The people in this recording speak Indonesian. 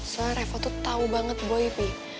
soalnya reva tuh tau banget boy pi